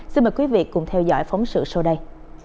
xin mời quý vị cùng theo dõi phóng sự sau đây